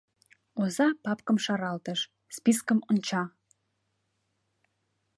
Оза папкым шаралтыш, спискым онча.